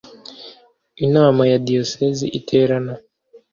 Inama ya diyosezi iterana